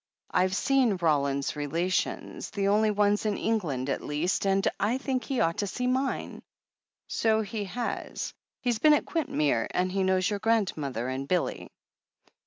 "Fve seen Roland's relations, the only ones in Eng land, at least, and I think he ought to see mine." "So he has. He's been at Quintmere, and he loiows your grandmother and Billy."